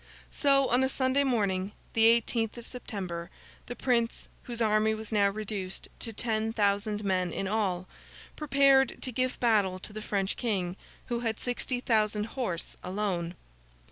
So, on a Sunday morning, the eighteenth of September, the Prince whose army was now reduced to ten thousand men in all—prepared to give battle to the French King, who had sixty thousand horse alone.